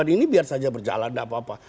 ini biar saja berjalan gak apa apa